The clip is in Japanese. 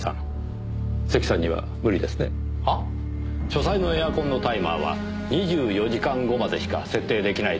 書斎のエアコンのタイマーは２４時間後までしか設定出来ないタイプのものでした。